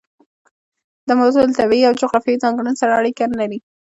دا موضوع له طبیعي او جغرافیوي ځانګړنو سره اړیکه نه لري.